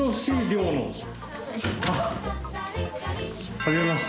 はじめまして。